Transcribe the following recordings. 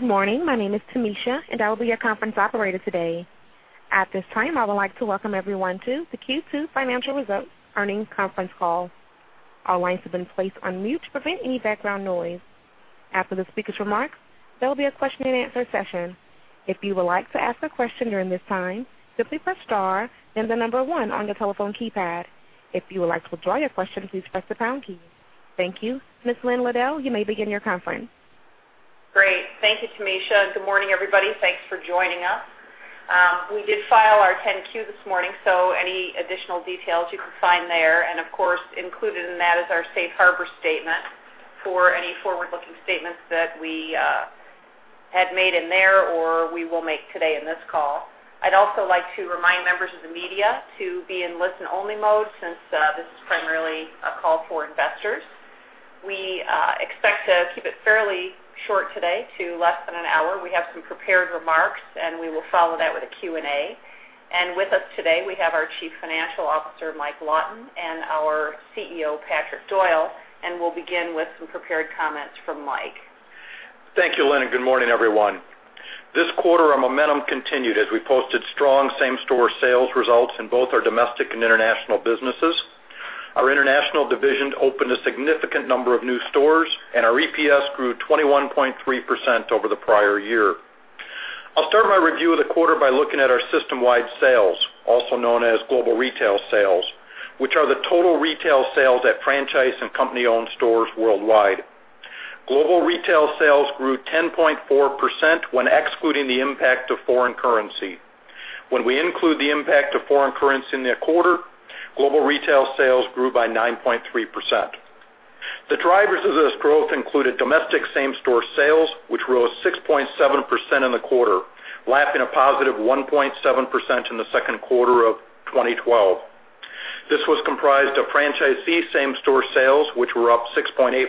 Good morning. My name is Tamisha, and I will be your conference operator today. At this time, I would like to welcome everyone to the Q2 Financial Results Earnings Conference Call. All lines have been placed on mute to prevent any background noise. After the speaker's remarks, there will be a question-and-answer session. If you would like to ask a question during this time, simply press star, then the number one on your telephone keypad. If you would like to withdraw your question, please press the pound key. Thank you. Ms. Lynn Liddle, you may begin your conference. Great. Thank you, Tamisha. Good morning, everybody. Thanks for joining us. We did file our 10-Q this morning, any additional details you can find there. Of course, included in that is our safe harbor statement for any forward-looking statements that we had made in there or we will make today in this call. I'd also like to remind members of the media to be in listen-only mode since this is primarily a call for investors. We expect to keep it fairly short today, to less than an hour. We have some prepared remarks, and we will follow that with a Q&A. With us today, we have our Chief Financial Officer, Mike Lawton, and our CEO, Patrick Doyle, and we'll begin with some prepared comments from Mike. Thank you, Lynn, good morning, everyone. This quarter, our momentum continued as we posted strong same-store sales results in both our domestic and international businesses. Our international division opened a significant number of new stores, our EPS grew 21.3% over the prior year. I'll start my review of the quarter by looking at our system-wide sales, also known as global retail sales, which are the total retail sales at franchise and company-owned stores worldwide. Global retail sales grew 10.4% when excluding the impact of foreign currency. When we include the impact of foreign currency in the quarter, global retail sales grew by 9.3%. The drivers of this growth included domestic same-store sales, which rose 6.7% in the quarter, lapping a positive 1.7% in the second quarter of 2012. This was comprised of franchisee same-store sales, which were up 6.8%,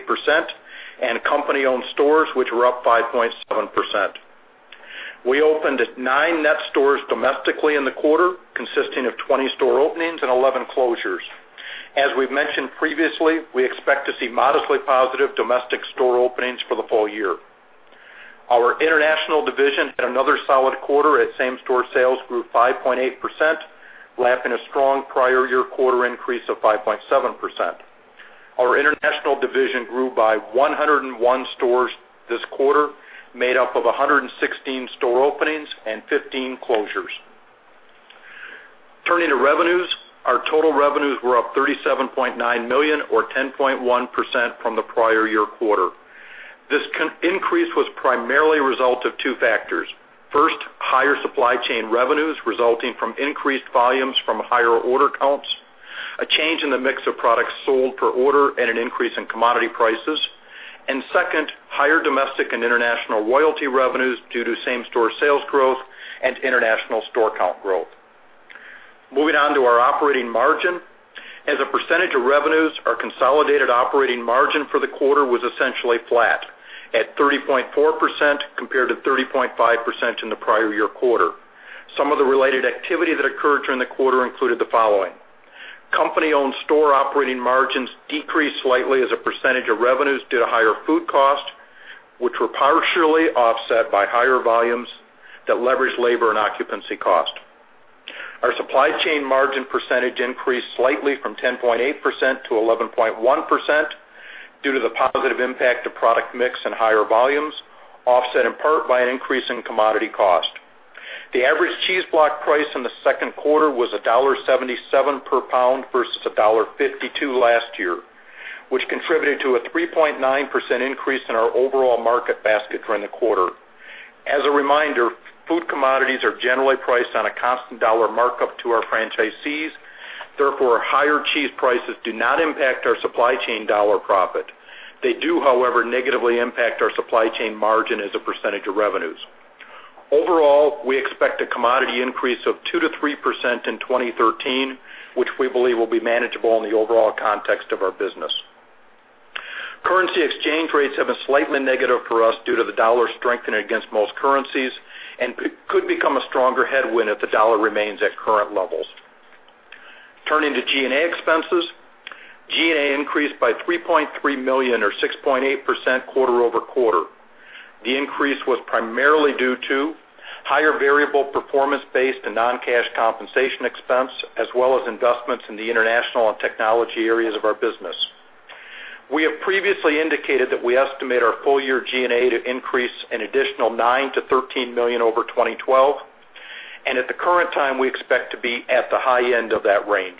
and company-owned stores, which were up 5.7%. We opened nine net stores domestically in the quarter, consisting of 20 store openings and 11 closures. As we've mentioned previously, we expect to see modestly positive domestic store openings for the full year. Our international division had another solid quarter as same-store sales grew 5.8%, lapping a strong prior year quarter increase of 5.7%. Our international division grew by 101 stores this quarter, made up of 116 store openings and 15 closures. Turning to revenues, our total revenues were up $37.9 million or 10.1% from the prior year quarter. This increase was primarily a result of two factors. First, higher supply chain revenues resulting from increased volumes from higher order counts, a change in the mix of products sold per order, and an increase in commodity prices. Second, higher domestic and international royalty revenues due to same-store sales growth and international store count growth. Moving on to our operating margin. As a percentage of revenues, our consolidated operating margin for the quarter was essentially flat, at 30.4% compared to 30.5% in the prior year quarter. Some of the related activity that occurred during the quarter included the following. Company-owned store operating margins decreased slightly as a percentage of revenues due to higher food costs, which were partially offset by higher volumes that leveraged labor and occupancy cost. Our supply chain margin percentage increased slightly from 10.8% to 11.1% due to the positive impact of product mix and higher volumes, offset in part by an increase in commodity cost. The average cheese block price in the second quarter was $1.77 per pound versus $1.52 last year, which contributed to a 3.9% increase in our overall market basket during the quarter. As a reminder, food commodities are generally priced on a constant dollar markup to our franchisees. Therefore, higher cheese prices do not impact our supply chain dollar profit. They do, however, negatively impact our supply chain margin as a percentage of revenues. Overall, we expect a commodity increase of 2% to 3% in 2013, which we believe will be manageable in the overall context of our business. Currency exchange rates have been slightly negative for us due to the dollar strengthening against most currencies and could become a stronger headwind if the dollar remains at current levels. Turning to G&A expenses. G&A increased by $3.3 million or 6.8% quarter-over-quarter. The increase was primarily due to higher variable performance-based and non-cash compensation expense, as well as investments in the international and technology areas of our business. We have previously indicated that we estimate our full-year G&A to increase an additional $9 million-$13 million over 2012, and at the current time, we expect to be at the high end of that range.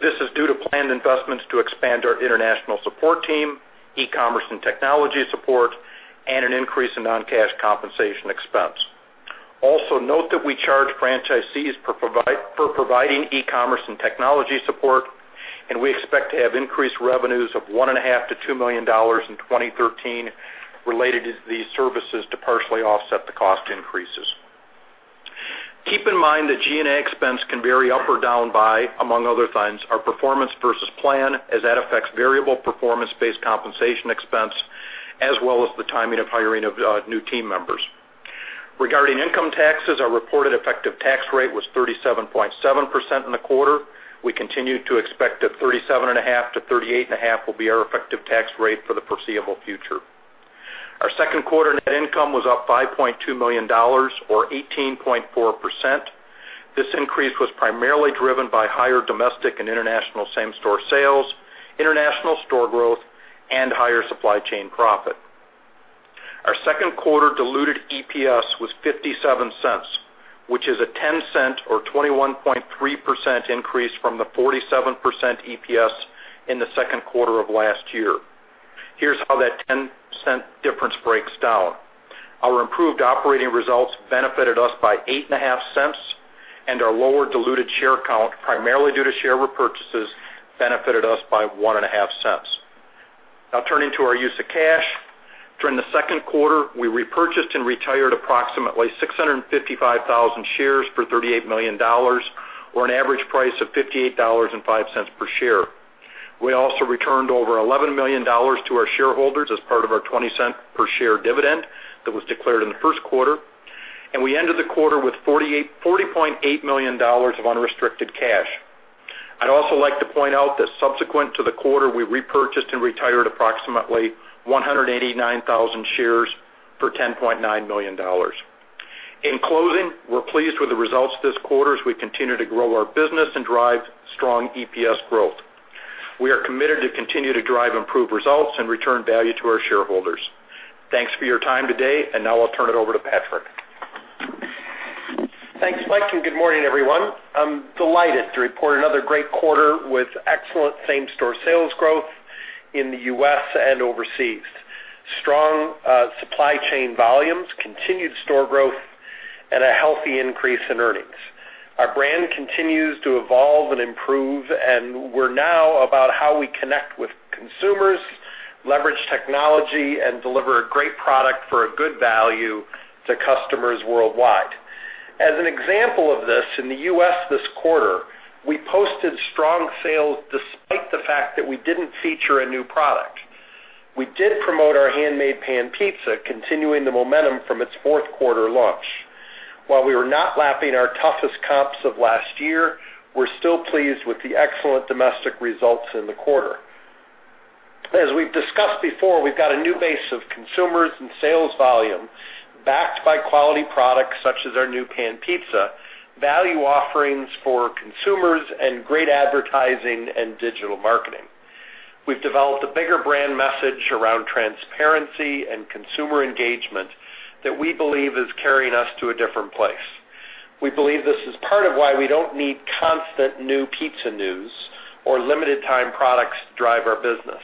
This is due to planned investments to expand our international support team, e-commerce and technology support, and an increase in non-cash compensation expense. Note that we charge franchisees for providing e-commerce and technology support, and we expect to have increased revenues of $1.5 million-$2 million in 2013 related to these services to partially offset the cost increases. Keep in mind that G&A expense can vary up or down by, among other things, our performance versus plan, as that affects variable performance-based compensation expense, as well as the timing of hiring of new team members. Regarding income taxes, our reported effective tax rate was 37.7% in the quarter. We continue to expect that 37.5%-38.5% will be our effective tax rate for the foreseeable future. Our second quarter net income was up $5.2 million, or 18.4%. This increase was primarily driven by higher domestic and international same-store sales, international store growth, and higher supply chain profit. Our second quarter diluted EPS was $0.57, which is a $0.10, or 21.3% increase from the $0.47 EPS in the second quarter of last year. Here's how that $0.10 difference breaks down. Our improved operating results benefited us by $0.085, and our lower diluted share count, primarily due to share repurchases, benefited us by $0.015. Turning to our use of cash. During the second quarter, we repurchased and retired approximately 655,000 shares for $38 million, or an average price of $58.05 per share. We also returned over $11 million to our shareholders as part of our $0.20 per share dividend that was declared in the first quarter, and we ended the quarter with $40.8 million of unrestricted cash. I'd also like to point out that subsequent to the quarter, we repurchased and retired approximately 189,000 shares for $10.9 million. In closing, we're pleased with the results this quarter as we continue to grow our business and drive strong EPS growth. We are committed to continue to drive improved results and return value to our shareholders. Thanks for your time today. Now I'll turn it over to Patrick. Thanks, Mike. Good morning, everyone. I'm delighted to report another great quarter with excellent same-store sales growth in the U.S. and overseas. Strong supply chain volumes, continued store growth, and a healthy increase in earnings. Our brand continues to evolve and improve, and we're now about how we connect with consumers, leverage technology, and deliver a great product for a good value to customers worldwide. As an example of this, in the U.S. this quarter, we posted strong sales despite the fact that we didn't feature a new product. We did promote our Handmade Pan Pizza, continuing the momentum from its fourth quarter launch. While we were not lapping our toughest comps of last year, we're still pleased with the excellent domestic results in the quarter. As we've discussed before, we've got a new base of consumers and sales volume backed by quality products such as our new Pan Pizza, value offerings for consumers, and great advertising and digital marketing. We've developed a bigger brand message around transparency and consumer engagement that we believe is carrying us to a different place. We believe this is part of why we don't need constant new pizza news or limited time products to drive our business.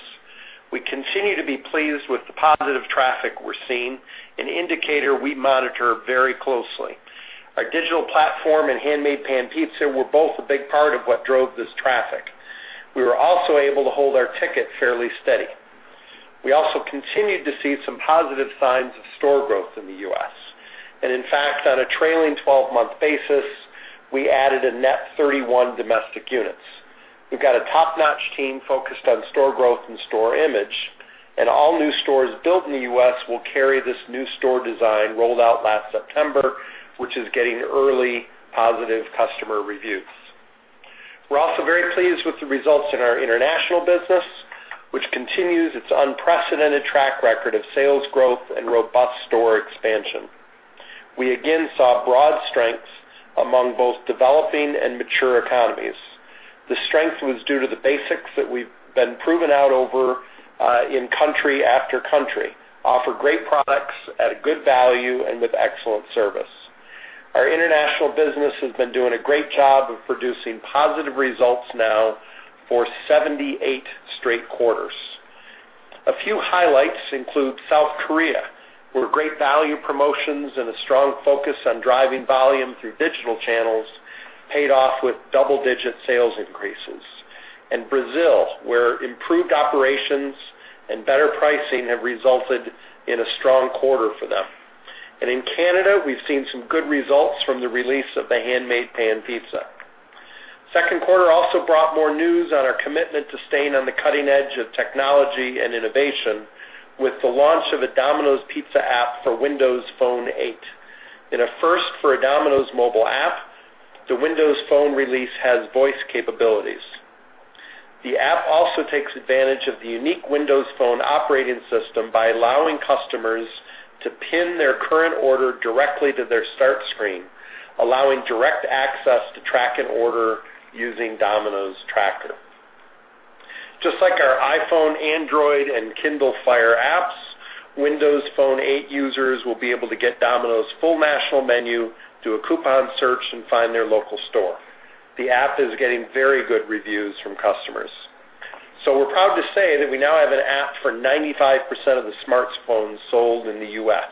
We continue to be pleased with the positive traffic we're seeing, an indicator we monitor very closely. Our digital platform and Handmade Pan Pizza were both a big part of what drove this traffic. We were also able to hold our ticket fairly steady. We also continued to see some positive signs of store growth in the U.S. In fact, on a trailing 12-month basis, we added a net 31 domestic units. We've got a top-notch team focused on store growth and store image, and all new stores built in the U.S. will carry this new store design rolled out last September, which is getting early positive customer reviews. We're also very pleased with the results in our international business, which continues its unprecedented track record of sales growth and robust store expansion. We again saw broad strengths among both developing and mature economies. The strength was due to the basics that we've been proving out over in country after country: offer great products at a good value and with excellent service. Our international business has been doing a great job of producing positive results now for 78 straight quarters. A few highlights include South Korea, where great value promotions and a strong focus on driving volume through digital channels paid off with double-digit sales increases. In Brazil, where improved operations and better pricing have resulted in a strong quarter for them. In Canada, we've seen some good results from the release of the Handmade Pan Pizza. Second quarter also brought more news on our commitment to staying on the cutting edge of technology and innovation with the launch of a Domino's Pizza app for Windows Phone 8. In a first for a Domino's mobile app, the Windows Phone release has voice capabilities. The app also takes advantage of the unique Windows Phone operating system by allowing customers to pin their current order directly to their start screen, allowing direct access to track an order using Domino's Tracker. Just like our iPhone, Android, and Kindle Fire apps, Windows Phone 8 users will be able to get Domino's full national menu, do a coupon search, and find their local store. The app is getting very good reviews from customers. We're proud to say that we now have an app for 95% of the smartphones sold in the U.S.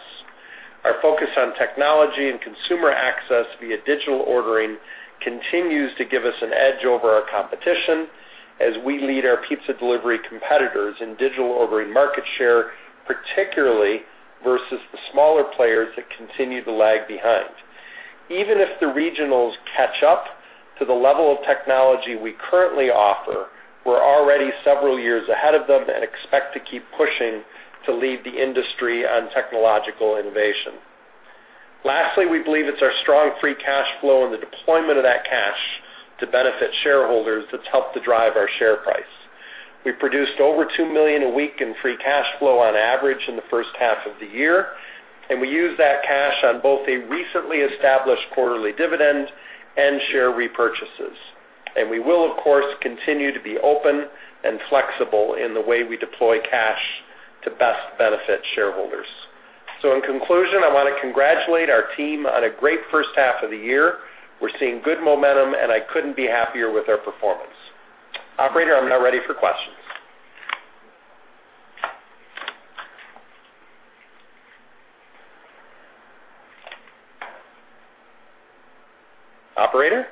Our focus on technology and consumer access via digital ordering continues to give us an edge over our competition as we lead our pizza delivery competitors in digital ordering market share, particularly versus the smaller players that continue to lag behind. Even if the regionals catch up to the level of technology we currently offer, we're already several years ahead of them and expect to keep pushing to lead the industry on technological innovation. Lastly, we believe it's our strong free cash flow and the deployment of that cash to benefit shareholders that's helped to drive our share price. We produced over $2 million a week in free cash flow on average in the first half of the year, we used that cash on both a recently established quarterly dividend and share repurchases. We will, of course, continue to be open and flexible in the way we deploy cash to best benefit shareholders. In conclusion, I want to congratulate our team on a great first half of the year. We're seeing good momentum, and I couldn't be happier with our performance. Operator, I'm now ready for questions. Operator?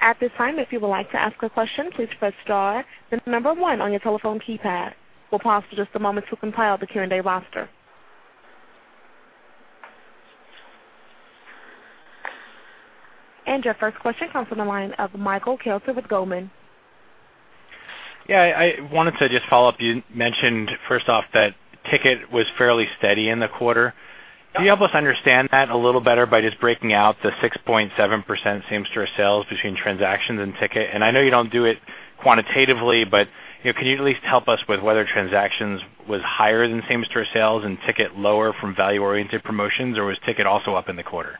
At this time, if you would like to ask a question, please press star then the number one on your telephone keypad. We'll pause for just a moment to compile the Q&A roster. Your first question comes from the line of Michael Kelter with Goldman. Yeah, I wanted to just follow up. You mentioned, first off, that ticket was fairly steady in the quarter. Yep. Can you help us understand that a little better by just breaking out the 6.7% same-store sales between transactions and ticket? I know you don't do it quantitatively, but can you at least help us with whether transactions was higher than same-store sales and ticket lower from value-oriented promotions, or was ticket also up in the quarter?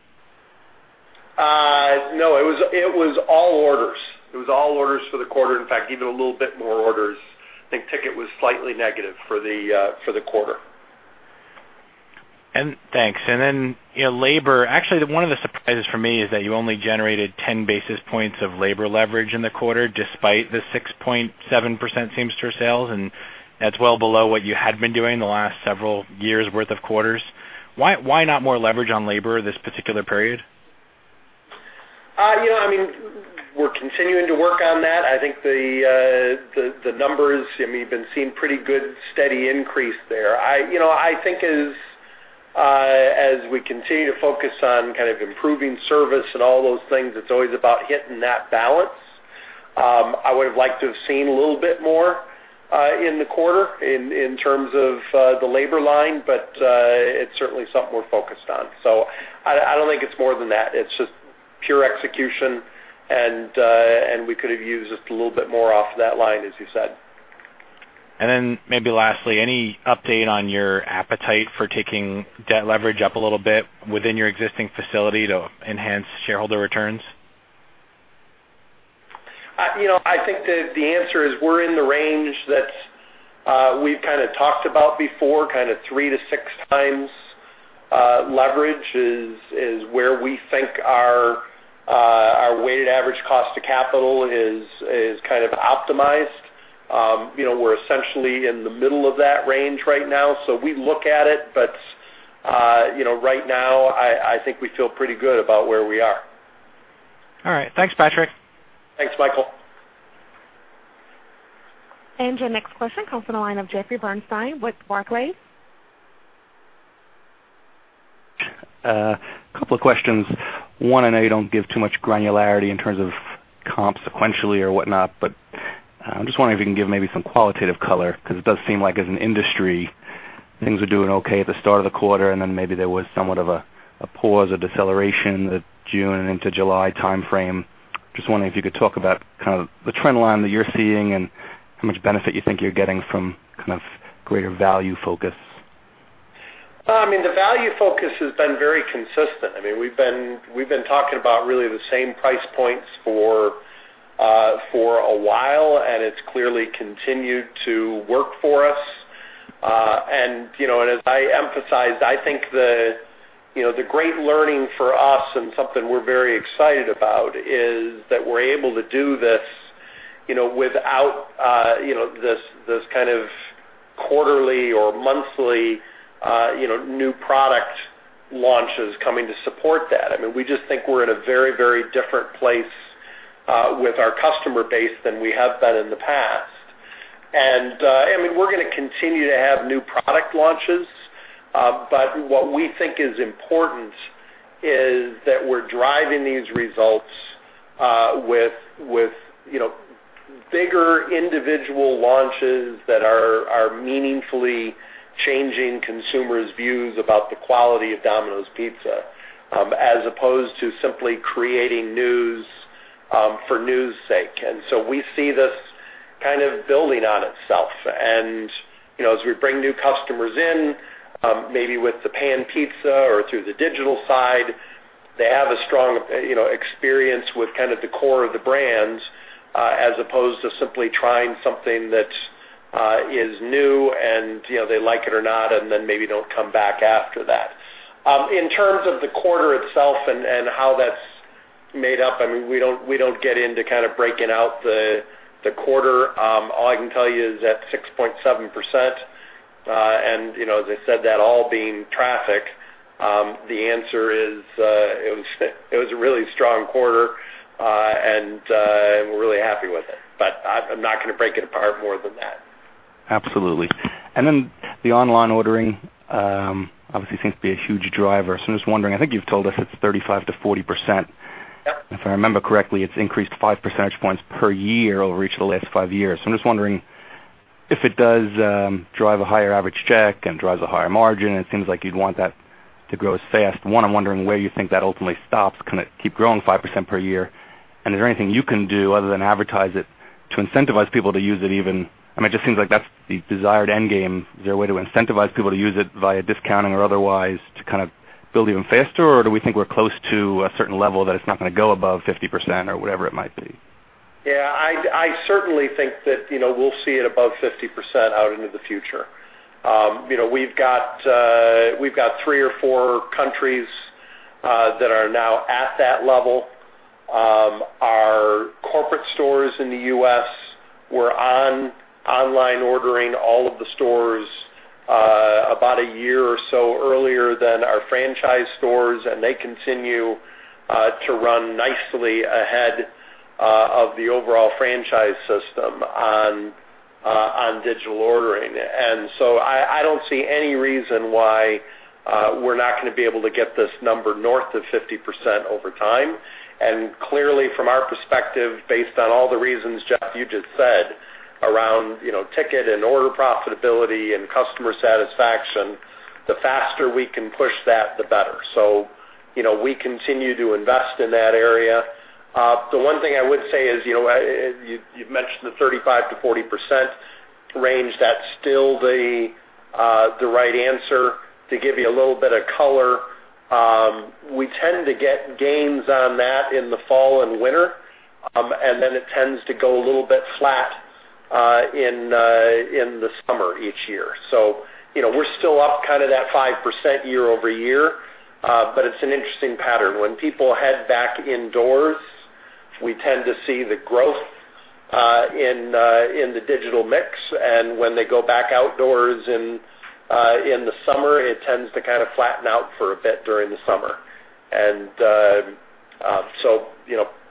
No, it was all orders. It was all orders for the quarter. In fact, even a little bit more orders. I think ticket was slightly negative for the quarter. Thanks. Then labor, actually, one of the surprises for me is that you only generated 10 basis points of labor leverage in the quarter despite the 6.7% same-store sales, and that's well below what you had been doing the last several years' worth of quarters. Why not more leverage on labor this particular period? We're continuing to work on that. I think the numbers, we've been seeing pretty good, steady increase there. I think as we continue to focus on improving service and all those things, it's always about hitting that balance. I would've liked to have seen a little bit more in the quarter in terms of the labor line, it's certainly something we're focused on. I don't think it's more than that. It's just pure execution, we could have used just a little bit more off that line, as you said. Maybe lastly, any update on your appetite for taking debt leverage up a little bit within your existing facility to enhance shareholder returns? I think the answer is we're in the range that we've kind of talked about before, kind of three to six times leverage is where we think our weighted average cost to capital is kind of optimized. We're essentially in the middle of that range right now. We look at it, right now, I think we feel pretty good about where we are. All right. Thanks, Patrick. Thanks, Michael. Your next question comes from the line of Jeffrey Bernstein with Barclays. A couple of questions. One, I know you don't give too much granularity in terms of comp sequentially or whatnot, but I'm just wondering if you can give maybe some qualitative color, because it does seem like as an industry, things were doing okay at the start of the quarter, and then maybe there was somewhat of a pause, a deceleration the June into July timeframe. Just wondering if you could talk about kind of the trend line that you're seeing and how much benefit you think you're getting from kind of greater value focus. The value focus has been very consistent. We've been talking about really the same price points for a while, and it's clearly continued to work for us. As I emphasized, I think the great learning for us and something we're very excited about is that we're able to do this without this kind of quarterly or monthly new product launches coming to support that. We just think we're in a very different place with our customer base than we have been in the past. We're going to continue to have new product launches, but what we think is important is that we're driving these results with bigger individual launches that are meaningfully changing consumers' views about the quality of Domino's Pizza as opposed to simply creating news for news' sake. So we see this kind of building on itself. As we bring new customers in, maybe with the Pan Pizza or through the digital side, they have a strong experience with kind of the core of the brands as opposed to simply trying something that is new and they like it or not and then maybe don't come back after that. In terms of the quarter itself and how that's made up, we don't get into kind of breaking out the quarter. All I can tell you is at 6.7%, and as I said, that all being traffic, the answer is it was a really strong quarter, and we're really happy with it. I'm not going to break it apart more than that. Absolutely. The online ordering, obviously seems to be a huge driver. I'm just wondering, I think you've told us it's 35%-40%. Yep. If I remember correctly, it's increased five percentage points per year over each of the last five years. I'm just wondering if it does drive a higher average check and drives a higher margin, it seems like you'd want that to grow as fast. One, I'm wondering where you think that ultimately stops. Can it keep growing 5% per year? Is there anything you can do other than advertise it to incentivize people to use it? It just seems like that's the desired end game. Is there a way to incentivize people to use it via discounting or otherwise to build even faster? Or do we think we're close to a certain level that it's not going to go above 50% or whatever it might be? Yeah. I certainly think that we'll see it above 50% out into the future. We've got three or four countries that are now at that level. Our corporate stores in the U.S. were on online ordering all of the stores about a year or so earlier than our franchise stores, and they continue to run nicely ahead of the overall franchise system on digital ordering. I don't see any reason why we're not going to be able to get this number north of 50% over time. Clearly from our perspective, based on all the reasons, Jeff, you just said around ticket and order profitability and customer satisfaction, the faster we can push that, the better. We continue to invest in that area. The one thing I would say is, you've mentioned the 35%-40% range, that's still the right answer. To give you a little bit of color, we tend to get gains on that in the fall and winter, then it tends to go a little bit flat in the summer each year. We're still up kind of that 5% year-over-year. It's an interesting pattern. When people head back indoors, we tend to see the growth in the digital mix. When they go back outdoors in the summer, it tends to flatten out for a bit during the summer.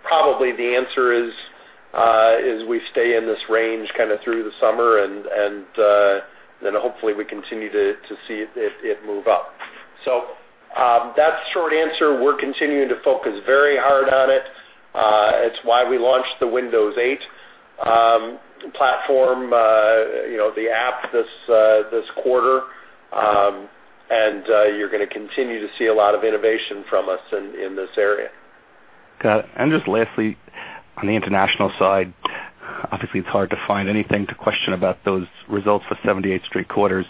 Probably the answer is we stay in this range through the summer, then hopefully we continue to see it move up. That's short answer. We're continuing to focus very hard on it. It's why we launched the Windows 8 platform, the app this quarter. You're going to continue to see a lot of innovation from us in this area. Got it. Just lastly, on the international side, obviously it's hard to find anything to question about those results for 78 straight quarters.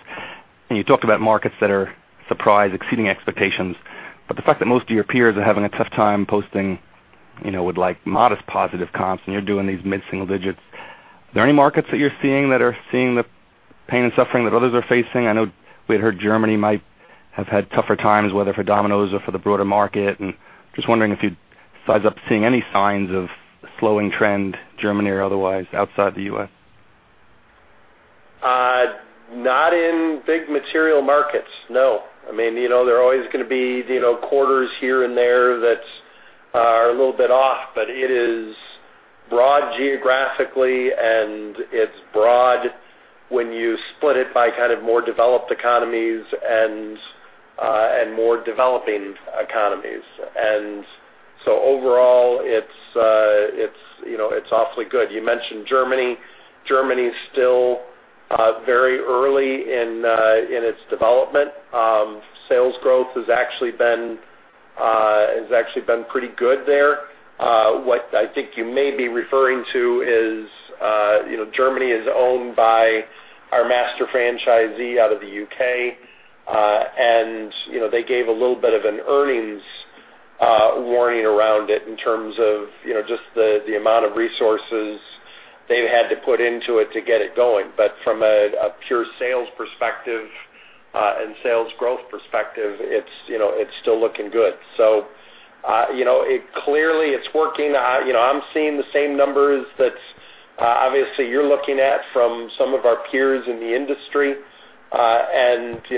You talked about markets that are surprise, exceeding expectations, the fact that most of your peers are having a tough time posting with modest positive comps, you're doing these mid-single digits, are there any markets that you're seeing that are seeing the pain and suffering that others are facing? I know we had heard Germany might have had tougher times, whether for Domino's or for the broader market, just wondering if you size up seeing any signs of slowing trend, Germany or otherwise outside the U.S. Not in big material markets, no. There are always going to be quarters here and there that are a little bit off, it is broad geographically, it's broad when you split it by more developed economies and more developing economies. Overall it's awfully good. You mentioned Germany. Germany is still very early in its development. Sales growth has actually been pretty good there. What I think you may be referring to is, Germany is owned by our master franchisee out of the U.K. They gave a little bit of an earnings warning around it in terms of just the amount of resources they've had to put into it to get it going. From a pure sales perspective, sales growth perspective, it's still looking good. Clearly it's working. I'm seeing the same numbers that obviously you're looking at from some of our peers in the industry.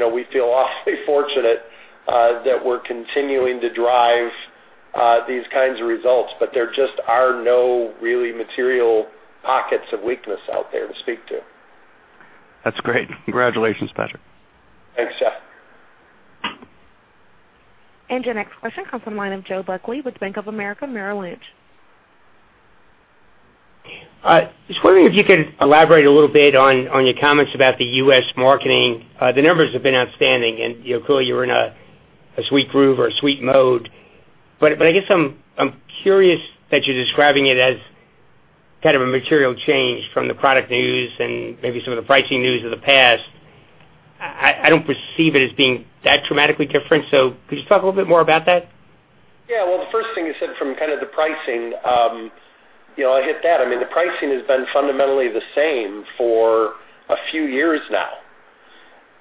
We feel awfully fortunate, that we're continuing to drive these kinds of results, there just are no really material pockets of weakness out there to speak to. That's great. Congratulations, Patrick. Thanks, Jeff. Your next question comes from the line of Joe Buckley with Bank of America Merrill Lynch. Just wondering if you could elaborate a little bit on your comments about the U.S. marketing. The numbers have been outstanding, and clearly you're in a sweet groove or a sweet mode. I guess I'm curious that you're describing it as kind of a material change from the product news and maybe some of the pricing news of the past. I don't perceive it as being that dramatically different, could you talk a little bit more about that? Yeah. The first thing you said from kind of the pricing, I get that. The pricing has been fundamentally the same for a few years now.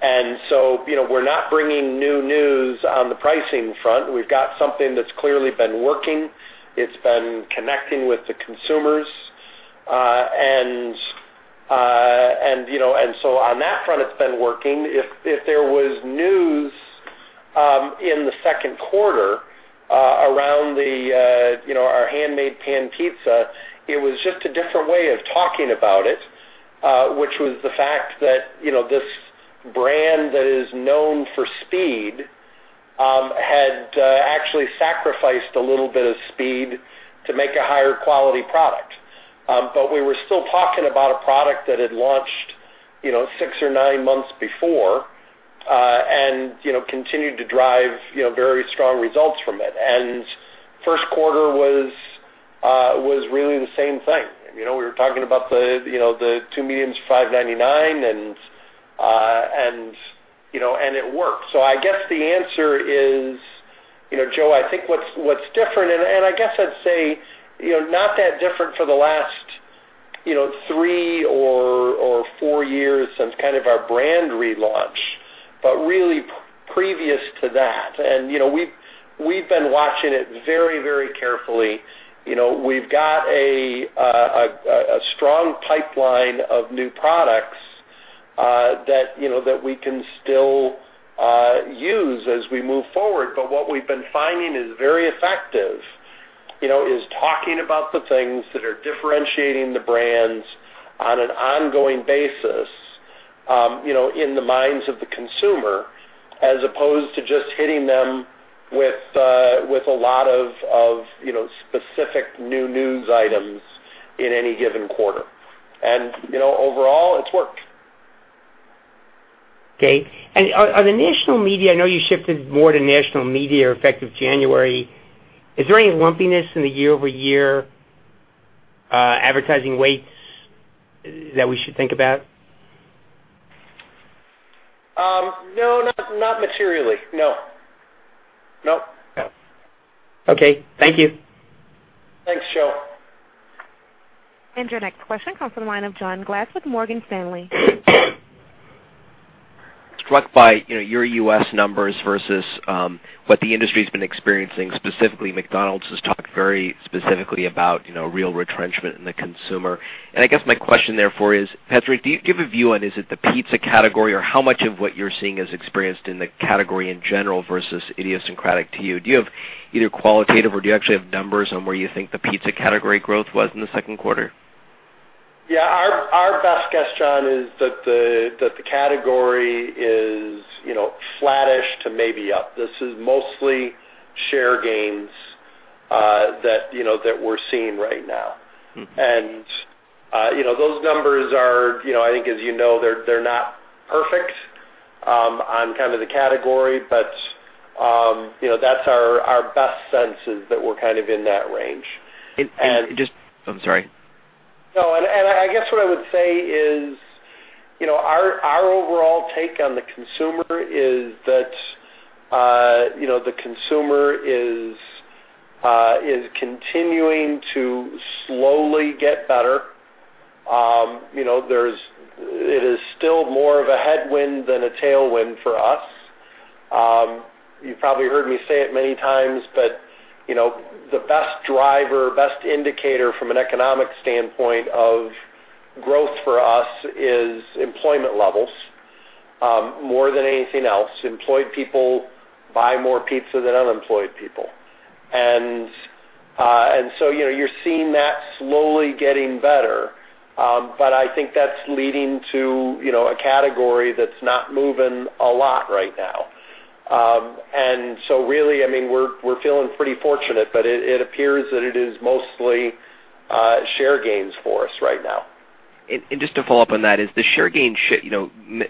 We're not bringing new news on the pricing front. We've got something that's clearly been working. It's been connecting with the consumers. On that front, it's been working. If there was news in the second quarter around our Handmade Pan Pizza, it was just a different way of talking about it, which was the fact that this brand that is known for speed had actually sacrificed a little bit of speed to make a higher quality product. We were still talking about a product that had launched six or nine months before, and continued to drive very strong results from it. First quarter was really the same thing. We were talking about the two mediums for $5.99. It worked. I guess the answer is, Joe, I think what's different, and I guess I'd say, not that different for the last three or four years since our brand relaunch. Really previous to that, and we've been watching it very carefully. We've got a strong pipeline of new products that we can still use as we move forward. What we've been finding is very effective, is talking about the things that are differentiating the brands on an ongoing basis in the minds of the consumer, as opposed to just hitting them with a lot of specific new news items in any given quarter. Overall, it's worked. Okay. On the national media, I know you shifted more to national media effective January. Is there any lumpiness in the year-over-year advertising weights that we should think about? No, not materially. No. Okay. Thank you. Thanks, Joe. Your next question comes from the line of John Glass with Morgan Stanley. Struck by your U.S. numbers versus what the industry's been experiencing. Specifically, McDonald's has talked very specifically about real retrenchment in the consumer. I guess my question therefore is, Patrick, do you give a view on, is it the pizza category or how much of what you're seeing is experienced in the category in general versus idiosyncratic to you? Do you have either qualitative or do you actually have numbers on where you think the pizza category growth was in the second quarter? Yeah. Our best guess, John, is that the category is flattish to maybe up. This is mostly share gains that we're seeing right now. Those numbers are, I think as you know, they're not perfect on the category, but that's our best sense is that we're in that range. I'm sorry. I guess what I would say is, our overall take on the consumer is that the consumer is continuing to slowly get better. It is still more of a headwind than a tailwind for us. You've probably heard me say it many times, the best driver, best indicator from an economic standpoint of growth for us is employment levels more than anything else. Employed people buy more pizza than unemployed people. You're seeing that slowly getting better. I think that's leading to a category that's not moving a lot right now. Really, we're feeling pretty fortunate, but it appears that it is mostly share gains for us right now. Just to follow up on that, is the share gain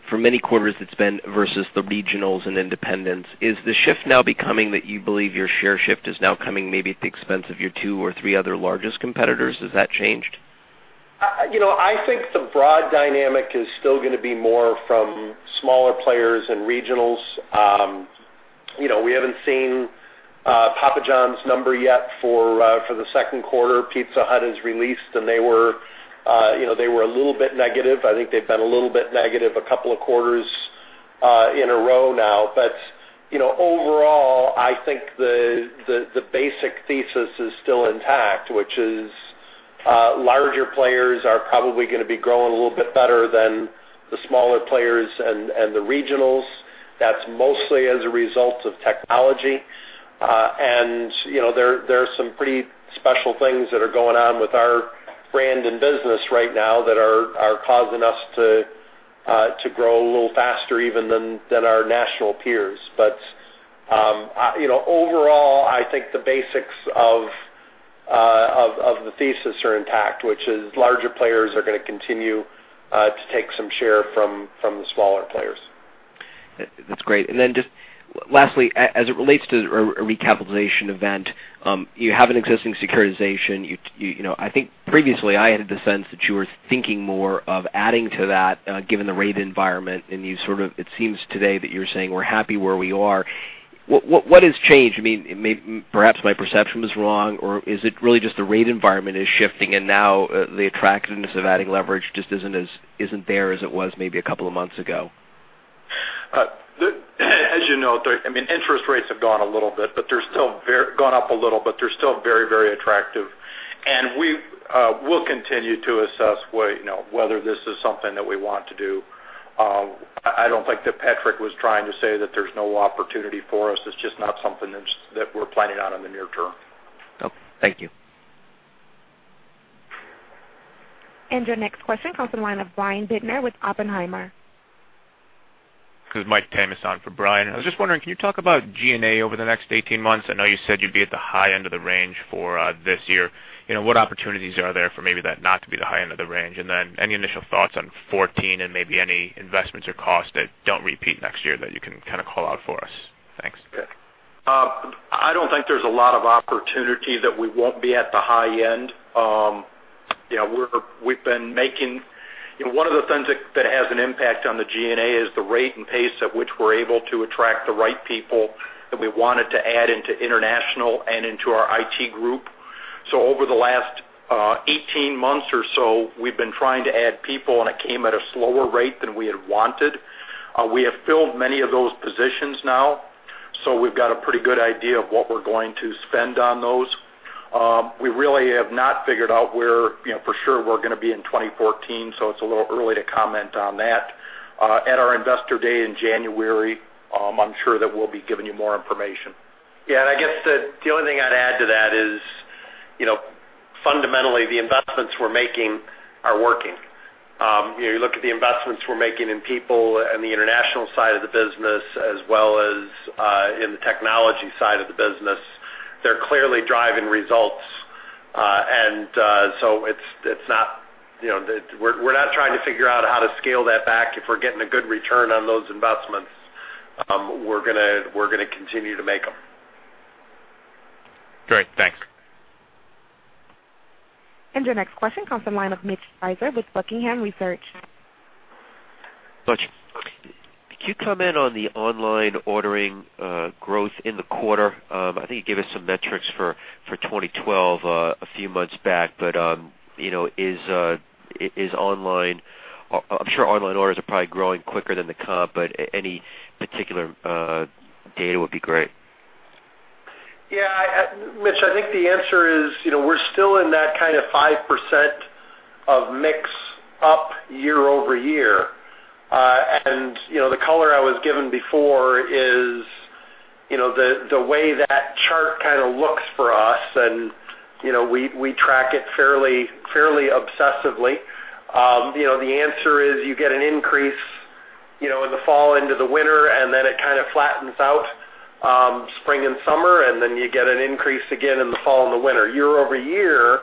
for many quarters it's been versus the regionals and independents? Is the shift now becoming that you believe your share shift is now coming maybe at the expense of your two or three other largest competitors? Has that changed? I think the broad dynamic is still going to be more from smaller players and regionals. We haven't seen Papa John's number yet for the second quarter. Pizza Hut has released, and they were a little bit negative. I think they've been a little bit negative a couple of quarters in a row now. Overall, I think the basic thesis is still intact, which is larger players are probably going to be growing a little bit better than the smaller players and the regionals. That's mostly as a result of technology. There are some pretty special things that are going on with our brand and business right now that are causing us to grow a little faster even than our national peers. Overall, I think the basics of the thesis are intact, which is larger players are going to continue to take some share from the smaller players. That's great. Then just lastly, as it relates to a recapitalization event, you have an existing securitization. I think previously I had the sense that you were thinking more of adding to that, given the rate environment, and it seems today that you're saying, we're happy where we are. What has changed? Perhaps my perception was wrong, or is it really just the rate environment is shifting and now the attractiveness of adding leverage just isn't there as it was maybe a couple of months ago? As you know, interest rates have gone a little bit, gone up a little, but they're still very attractive. And we will continue to assess whether this is something that we want to do. I don't think that Patrick was trying to say that there's no opportunity for us. It's just not something that we're planning on in the near term. Okay. Thank you. Your next question comes from the line of Brian Bittner with Oppenheimer. This is Michael Tamas on for Brian. I was just wondering, can you talk about G&A over the next 18 months? I know you said you'd be at the high end of the range for this year. What opportunities are there for maybe that not to be the high end of the range? Then any initial thoughts on 2014 and maybe any investments or costs that don't repeat next year that you can call out for us? Thanks. Okay. I don't think there's a lot of opportunity that we won't be at the high end. One of the things that has an impact on the G&A is the rate and pace at which we're able to attract the right people that we wanted to add into international and into our IT group. Over the last 18 months or so, we've been trying to add people, and it came at a slower rate than we had wanted. We have filled many of those positions now, so we've got a pretty good idea of what we're going to spend on those. We really have not figured out where for sure we're going to be in 2014, so it's a little early to comment on that. At our investor day in January, I'm sure that we'll be giving you more information. I guess the only thing I'd add to that is fundamentally, the investments we're making are working. You look at the investments we're making in people on the international side of the business, as well as in the technology side of the business, they're clearly driving results. We're not trying to figure out how to scale that back. If we're getting a good return on those investments, we're going to continue to make them. Great. Thanks. Your next question comes from the line of Mitch Speiser with Buckingham Research. Mitch. Could you comment on the online ordering growth in the quarter? I think you gave us some metrics for 2012 a few months back. I'm sure online orders are probably growing quicker than the comp, any particular data would be great. Yeah, Mitch, I think the answer is we're still in that 5% of mix up year-over-year. The color I was given before is the way that chart kind of looks for us, and we track it fairly obsessively. The answer is you get an increase in the fall into the winter, it kind of flattens out spring and summer, you get an increase again in the fall and the winter. Year-over-year,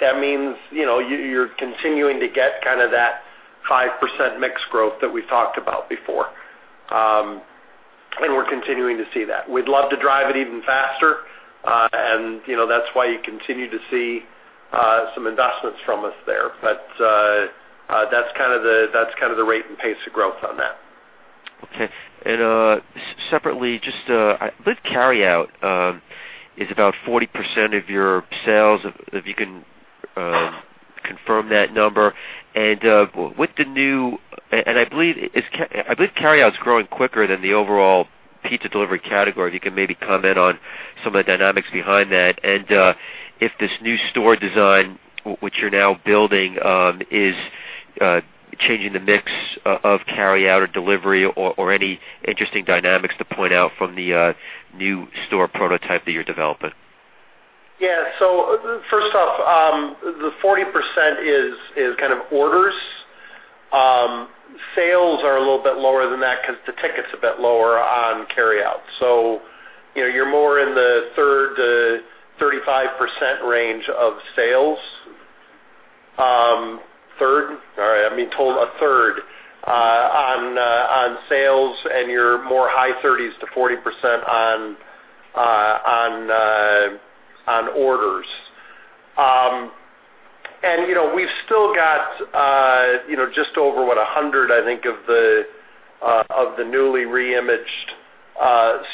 that means you're continuing to get that 5% mix growth that we talked about before. We're continuing to see that. We'd love to drive it even faster, and that's why you continue to see some investments from us there. That's the kind of the rate and pace of growth on that. Okay. Separately, I believe carryout is about 40% of your sales, if you can confirm that number. I believe carryout's growing quicker than the overall pizza delivery category. If you can maybe comment on some of the dynamics behind that. If this new store design, which you're now building, is changing the mix of carryout or delivery or any interesting dynamics to point out from the new store prototype that you're developing. Yeah. First off, the 40% is kind of orders. Sales are a little bit lower than that because the ticket's a bit lower on carryout. You're more in the 30%-35% range of sales. A third on sales, and you're more high 30s to 40% on orders. We've still got just over, what, 100, I think, of the newly re-imaged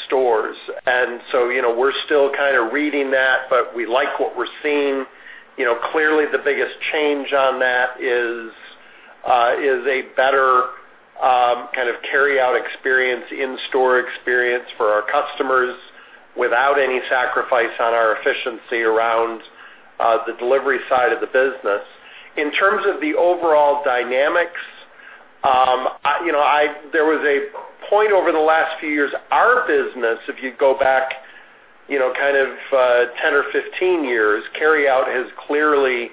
stores. We're still kind of reading that, but we like what we're seeing. Clearly, the biggest change on that is a better kind of carryout experience, in-store experience for our customers without any sacrifice on our efficiency around the delivery side of the business. In terms of the overall dynamics, there was a point over the last few years, our business, if you go back 10 or 15 years, carryout has clearly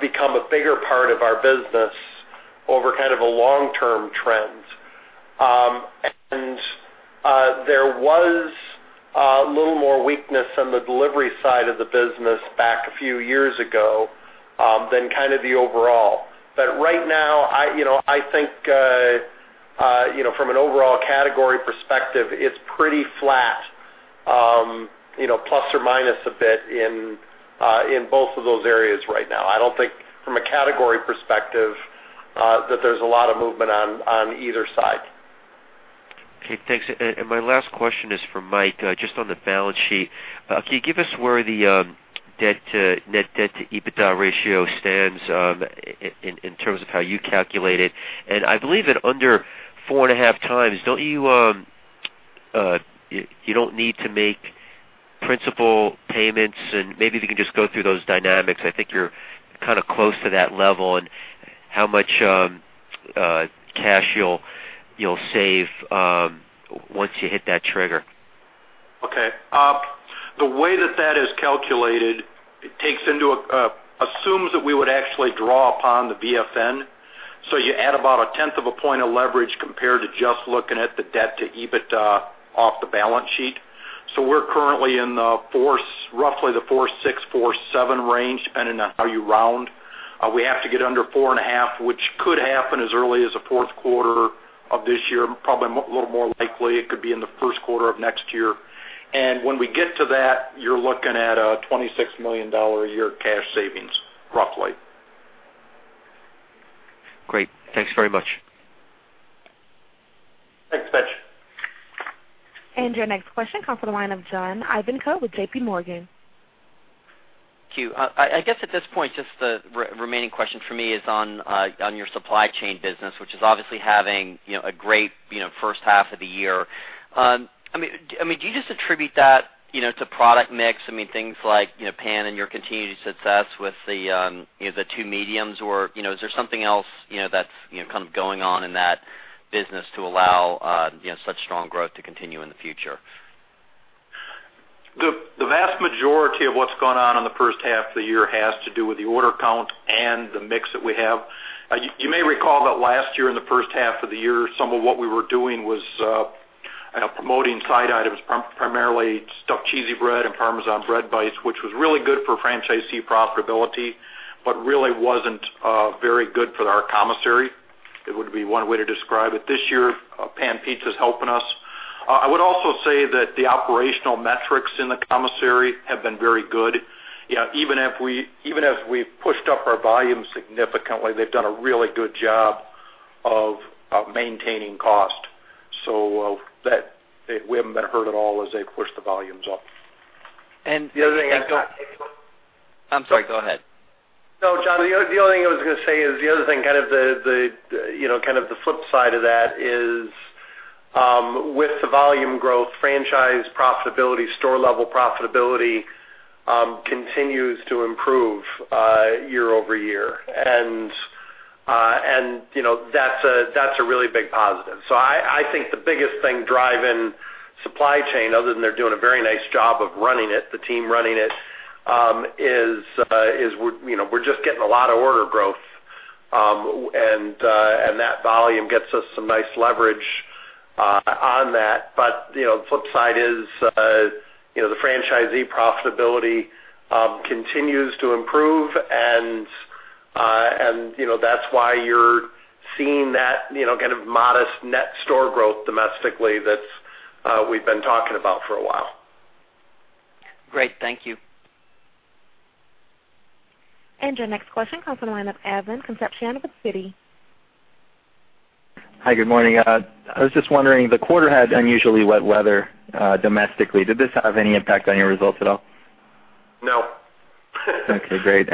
become a bigger part of our business over kind of a long-term trend. There was a little more weakness on the delivery side of the business back a few years ago than kind of the overall. Right now, I think from an overall category perspective, it's pretty flat, plus or minus a bit in both of those areas right now. I don't think from a category perspective that there's a lot of movement on either side. Okay, thanks. My last question is for Mike, just on the balance sheet. Can you give us where the debt to EBITDA ratio stands in terms of how you calculate it. I believe that under 4.5 times, you don't need to make principal payments, and maybe if you can just go through those dynamics. I think you're close to that level and how much cash you'll save once you hit that trigger. Okay. The way that that is calculated assumes that we would actually draw upon the VFN. You add about a tenth of a point of leverage compared to just looking at the debt to EBITDA off the balance sheet. We're currently in roughly the 4.6, 4.7 range, depending on how you round. We have to get under 4.5, which could happen as early as the fourth quarter of this year, probably a little more likely it could be in the first quarter of next year. When we get to that, you're looking at a $26 million a year cash savings, roughly. Great. Thanks very much. Thanks, Mitch. Your next question comes from the line of John Ivankoe with JPMorgan. I guess at this point, just the remaining question for me is on your supply chain business, which is obviously having a great first half of the year. Do you just attribute that to product mix? Things like Pan and your continued success with the two mediums? Or is there something else that's going on in that business to allow such strong growth to continue in the future? The vast majority of what's gone on in the first half of the year has to do with the order count and the mix that we have. You may recall that last year in the first half of the year, some of what we were doing was promoting side items, primarily Stuffed Cheesy Bread and Parmesan Bread Bites, which was really good for franchisee profitability, but really wasn't very good for our commissary. It would be one way to describe it. This year, Pan Pizza is helping us. I would also say that the operational metrics in the commissary have been very good. Even as we pushed up our volumes significantly, they've done a really good job of maintaining cost. We haven't been hurt at all as they pushed the volumes up. The other thing I The other thing I I'm sorry, go ahead. No, John, the only thing I was going to say is, the other thing, the flip side of that is with the volume growth, franchise profitability, store-level profitability continues to improve year-over-year. That's a really big positive. I think the biggest thing driving supply chain, other than they're doing a very nice job of running it, the team running it, is we're just getting a lot of order growth, and that volume gets us some nice leverage on that. The flip side is the franchisee profitability continues to improve, and that's why you're seeing that modest net store growth domestically that we've been talking about for a while. Great. Thank you. Your next question comes from the line of Gregory Francfort with Citi. Hi, good morning. I was just wondering, the quarter had unusually wet weather domestically. Did this have any impact on your results at all? No. Okay, great.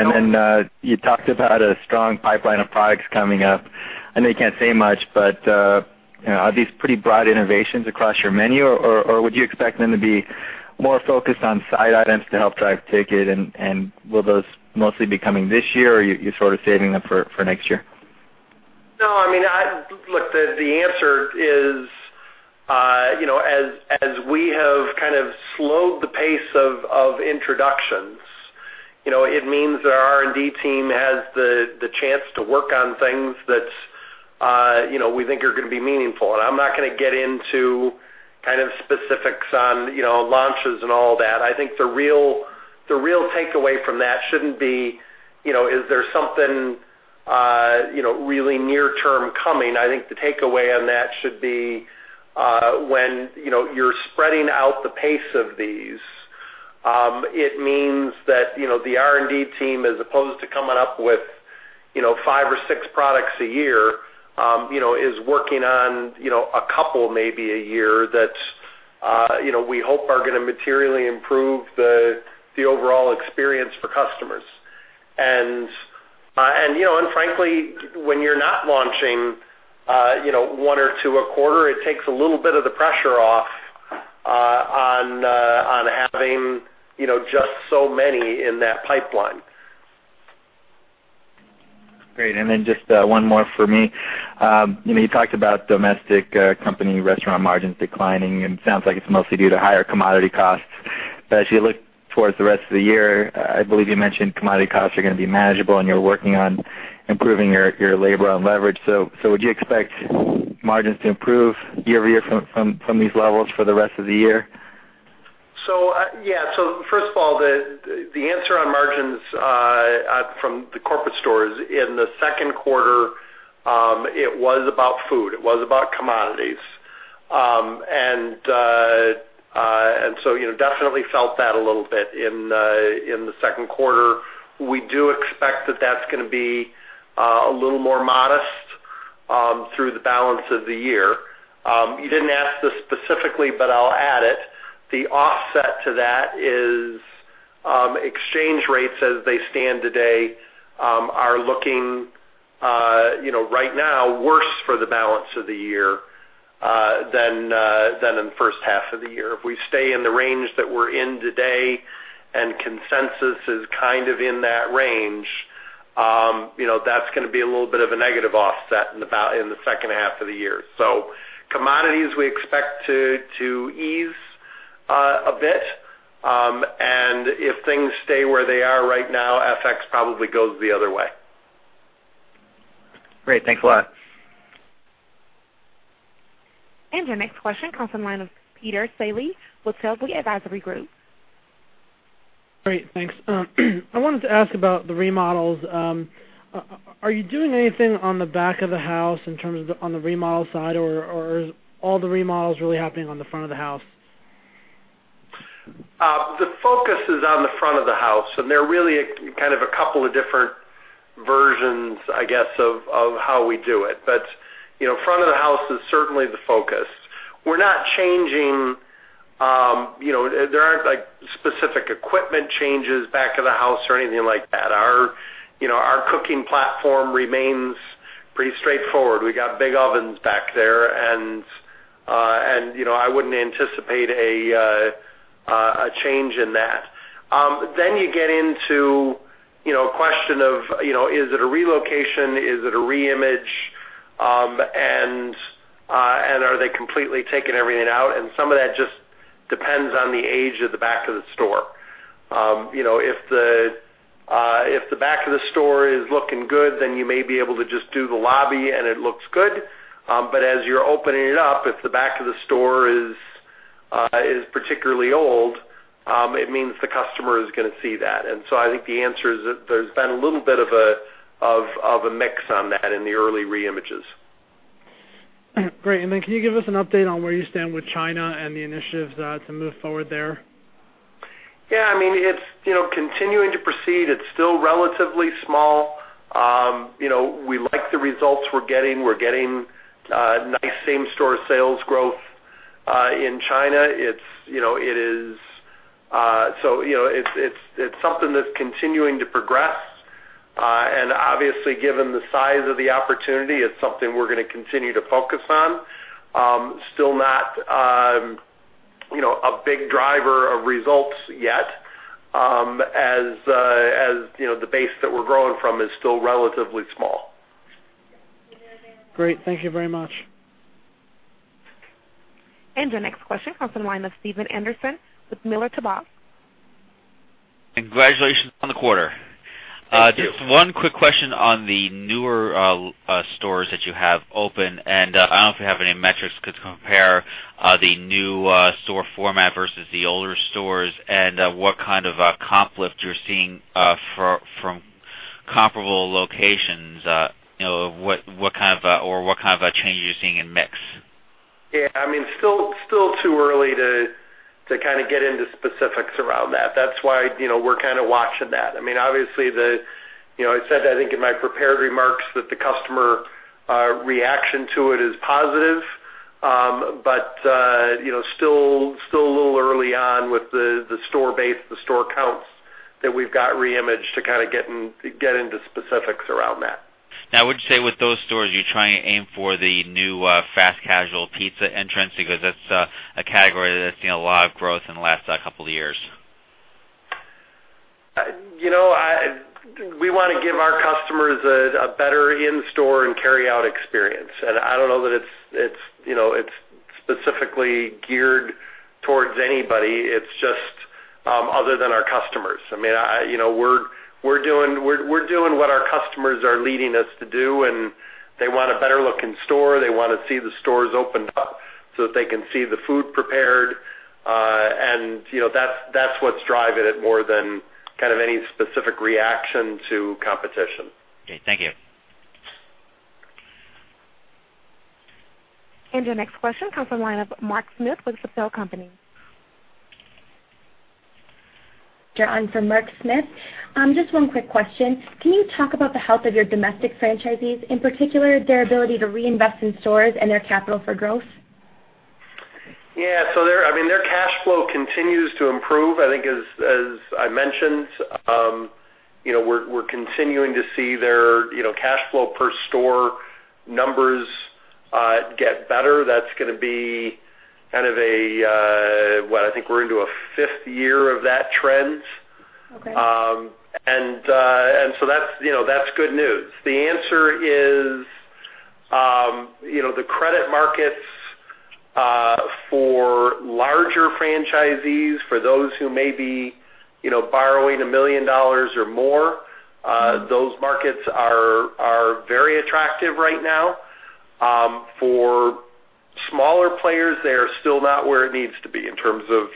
You talked about a strong pipeline of products coming up. I know you can't say much, but are these pretty broad innovations across your menu, or would you expect them to be more focused on side items to help drive ticket? Will those mostly be coming this year, or are you saving them for next year? No, look, the answer is, as we have slowed the pace of introductions, it means that our R&D team has the chance to work on things that we think are going to be meaningful. I'm not going to get into specifics on launches and all that. I think the real takeaway from that shouldn't be, is there something really near term coming? I think the takeaway on that should be when you're spreading out the pace of these, it means that the R&D team, as opposed to coming up with five or six products a year, is working on a couple maybe a year that we hope are going to materially improve the overall experience for customers. Frankly, when you're not launching one or two a quarter, it takes a little bit of the pressure off on having just so many in that pipeline. Great. Then just one more for me. You talked about domestic company restaurant margins declining, and it sounds like it's mostly due to higher commodity costs. As you look towards the rest of the year, I believe you mentioned commodity costs are going to be manageable and you're working on improving your labor and leverage. Would you expect margins to improve year-over-year from these levels for the rest of the year? First of all, the answer on margins from the corporate stores in the second quarter, it was about food. It was about commodities. Definitely felt that a little bit in the second quarter. We do expect that that's going to be a little more modest Through the balance of the year. You didn't ask this specifically, but I'll add it. The offset to that is exchange rates as they stand today are looking right now worse for the balance of the year, than in the first half of the year. If we stay in the range that we're in today and consensus is kind of in that range, that's going to be a little bit of a negative offset in the second half of the year. Commodities, we expect to ease a bit, and if things stay where they are right now, FX probably goes the other way. Great. Thanks a lot. Your next question comes from line of Peter Saleh with Telsey Advisory Group. Great, thanks. I wanted to ask about the remodels. Are you doing anything on the back of the house in terms of on the remodel side, or is all the remodels really happening on the front of the house? The focus is on the front of the house, they're really kind of a couple of different versions, I guess, of how we do it. Front of the house is certainly the focus. There aren't specific equipment changes back of the house or anything like that. Our cooking platform remains pretty straightforward. We got big ovens back there, I wouldn't anticipate a change in that. You get into a question of, is it a relocation? Is it a reimage? Are they completely taking everything out? Some of that just depends on the age of the back of the store. If the back of the store is looking good, then you may be able to just do the lobby, and it looks good. As you're opening it up, if the back of the store is particularly old, it means the customer is going to see that. So I think the answer is that there's been a little bit of a mix on that in the early reimages. Great. Then can you give us an update on where you stand with China and the initiatives to move forward there? It's continuing to proceed. It's still relatively small. We like the results we're getting. We're getting nice same store sales growth in China. It's something that's continuing to progress. Obviously, given the size of the opportunity, it's something we're going to continue to focus on. Still not a big driver of results yet, as the base that we're growing from is still relatively small. Great. Thank you very much. Your next question comes from line of Stephen Anderson with Miller Tabak. Congratulations on the quarter. Thank you. Just one quick question on the newer stores that you have open, and I don't know if you have any metrics to compare, the new store format versus the older stores and what kind of a comp lift you're seeing, from comparable locations, or what kind of a change you're seeing in mix? Yeah, still too early to kind of get into specifics around that. That's why we're kind of watching that. Obviously, I said I think in my prepared remarks that the customer reaction to it is positive, but still a little early on with the store base, the store counts that we've got reimage to kind of get into specifics around that. Now, would you say with those stores, you're trying to aim for the new fast casual pizza entrants? Because that's a category that's seen a lot of growth in the last couple of years. We want to give our customers a better in-store and carry-out experience. I don't know that it's specifically geared towards anybody, other than our customers. We're doing what our customers are leading us to do, and they want a better looking store. They want to see the stores opened up so that they can see the food prepared. That's what's driving it more than any specific reaction to competition. Okay. Thank you. Your next question comes from line of Mark Smith with Feltl & Company. Joan, from Mark Smith. Just one quick question. Can you talk about the health of your domestic franchisees, in particular, their ability to reinvest in stores and their capital for growth? Yeah. Their cash flow continues to improve. I think as I mentioned, we're continuing to see their cash flow per store numbers get better. That's going to be kind of I think we're into a fifth year of that trend. Okay. That's good news. The answer is, the credit markets for larger franchisees, for those who may be borrowing $1 million or more, those markets are very attractive right now. For smaller players, they are still not where it needs to be in terms of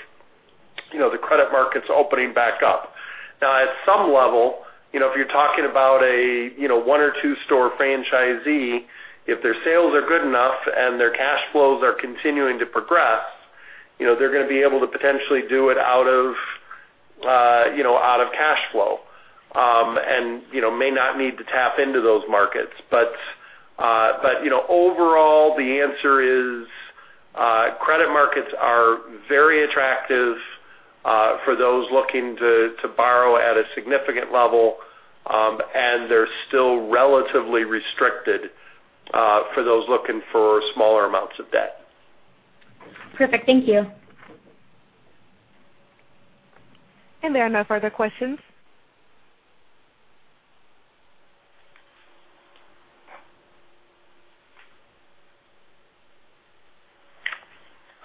the credit markets opening back up. Now, at some level, if you're talking about a one or two store franchisee, if their sales are good enough and their cash flows are continuing to progress, they're going to be able to potentially do it out of cash flow, and may not need to tap into those markets. Overall, the answer is credit markets are very attractive for those looking to borrow at a significant level, and they're still relatively restricted for those looking for smaller amounts of debt. Perfect. Thank you. There are no further questions.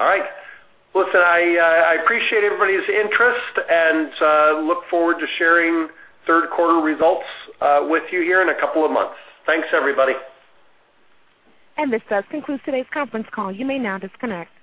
All right. Listen, I appreciate everybody's interest and look forward to sharing third quarter results with you here in a couple of months. Thanks, everybody. This does conclude today's conference call. You may now disconnect.